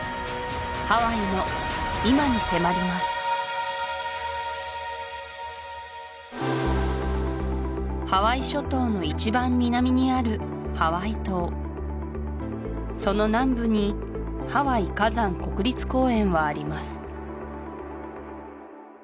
ハワイの今に迫りますハワイ諸島の一番南にあるハワイ島その南部にハワイ火山国立公園はあります